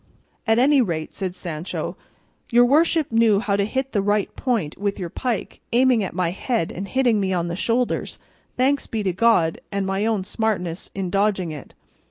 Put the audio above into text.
"At any rate," said Sancho, "your worship knew how to hit the right point with your pike, aiming at my head and hitting me on the shoulders, thanks be to God and my own smartness in dodging it.